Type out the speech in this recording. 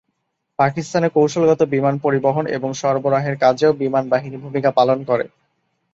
পাকিস্তানে কৌশলগত বিমান পরিবহন এবং সরবরাহের কাজেও বিমানবাহিনী ভূমিকা পালন করে।